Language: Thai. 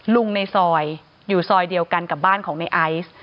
ในซอยอยู่ซอยเดียวกันกับบ้านของในไอซ์